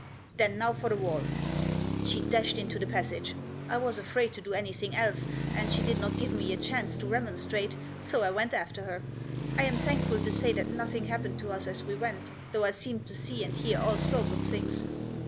" Then now for the wall." She dashed into the passage. I was afraid to do anything else — and she did not give me a chance to remonstrate — so I went after her. I am thankful to say that nothing happened to us as we went, though I seemed to see and hear all sorts of things.